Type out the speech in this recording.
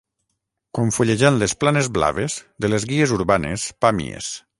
Com fullejant les planes blaves de les guies urbanes Pàmies.